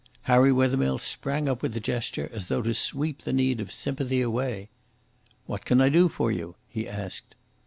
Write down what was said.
Harry Wethermill sprang up with a gesture as though to sweep the need of sympathy away. "What can I do for you?" he asked.